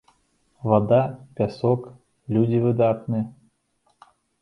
Вада, пясок, людзі выдатныя.